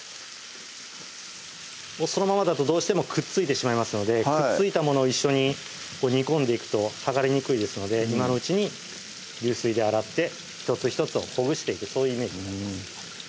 そのままだとどうしてもくっついてしまいますのでくっついたものを一緒に煮込んでいくと剥がれにくいですので今のうちに流水で洗って１つ１つをほぐしていくそういうイメージになります